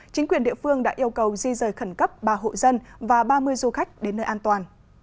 chính quyền địa phương đã yêu cầu di rời khẩn cấp ba hộ dân và ba mươi du khách đến nơi an toàn